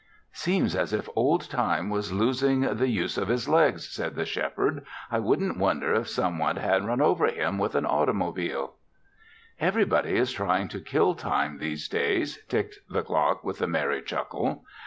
"Seems as if old Time was losing the use of his legs," said the Shepherd. "I wouldn't wonder if some one had run over him with an automobile." "Everybody is trying to kill Time these days," ticked the clock with a merry chuckle.